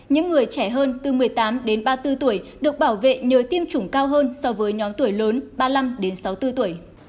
những người trẻ hơn từ một mươi tám đến ba mươi bốn tuổi được bảo vệ nhờ tiêm chủng cao hơn so với nhóm tuổi lớn ba mươi năm đến sáu mươi bốn tuổi